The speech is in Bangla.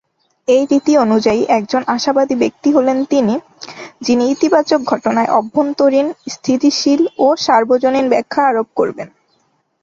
এই রীতি অনুযায়ী একজন আশাবাদী ব্যক্তি হলেন তিনি, যিনি ইতিবাচক ঘটনায় অভ্যন্তরীন, স্থিতিশীল ও সার্বজনীন ব্যাখ্যা আরোপ করবেন।